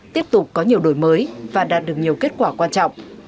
tiếp tục có nhiều đổi mới và đạt được nhiều kết quả quan trọng